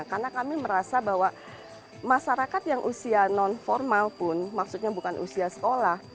karena kami merasa bahwa masyarakat yang usia non formal pun maksudnya bukan usia sekolah